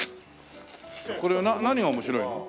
これは何が面白いの？